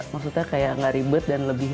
maksudnya kayak nggak ribet dan lebih